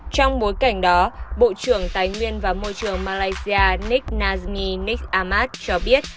trong bối cảnh đó bộ trưởng tái nguyên và môi trường malaysia nick nazmi nick ahmad cho biết